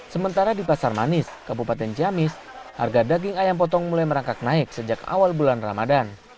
sementara di pasar manis kabupaten ciamis harga daging ayam potong mulai merangkak naik sejak awal bulan ramadan